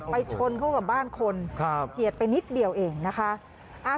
ชนเข้ากับบ้านคนเฉียดไปนิดเดียวเองนะคะ